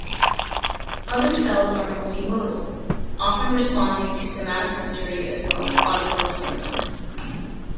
Other cells are multi modal, often responding to somatosensory as well as auditory stimuli.